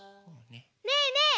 ねえねえ